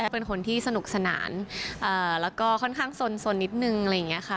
เป็นคนที่สนุกสนานแล้วก็ค่อนข้างสนนิดนึงอะไรอย่างนี้ค่ะ